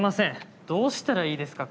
どうしたらいいですか？